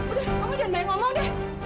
udah kamu jangan bayang mama deh